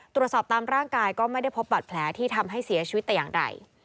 ตามร่างกายก็ไม่ได้พบบัตรแผลที่ทำให้เสียชีวิตแต่อย่างใด